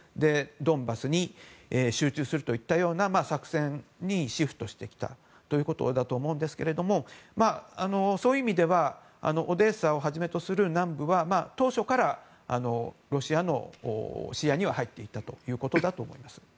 ドンバスに集中するといったような作戦にシフトしてきたということだと思うんですけれどもそういう意味ではオデーサをはじめとする南部は当初からロシアの視野に入っていたということだと思います。